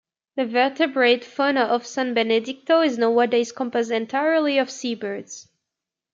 The vertebrate fauna of San Benedicto is nowadays composed entirely of seabirds.